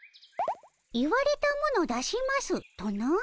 「言われたもの出します」とな？